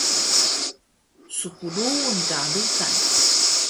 Spruun ka rudan